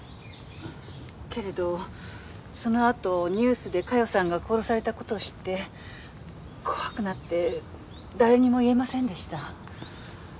けれどそのあとニュースで加代さんが殺された事を知って怖くなって誰にも言えませんでした。